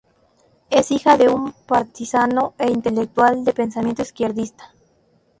Es hija de un partisano e intelectual de pensamiento izquierdista.